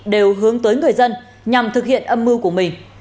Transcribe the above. đều hướng tới người dân nhằm thực hiện âm mưu của mình